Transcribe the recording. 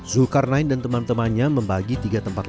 zulkarnain dan teman temannya membagi tiga tempat